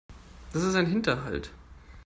Das ist ein Hinterhalt.